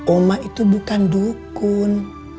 omah itu bukan dukun